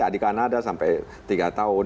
di kanada sampai tiga tahun